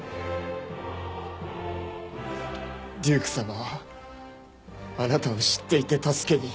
デュークさまはあなたを知っていて助けに。